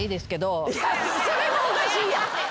それもおかしいやん。